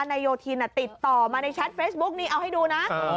นายโยธินติดต่อมาในแชทเฟซบุ๊กนี่เอาให้ดูนะ